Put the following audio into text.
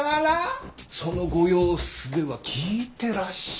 そのご様子では聞いてらっしゃらないんですか。